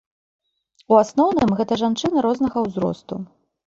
У асноўным, гэта жанчыны рознага ўзросту.